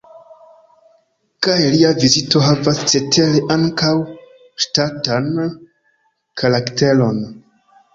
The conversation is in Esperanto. Kaj lia vizito havas cetere ankaŭ ŝtatan karakteron.